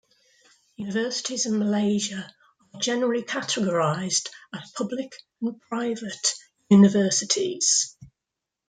Universities in Malaysia are generally categorised as public and private universities.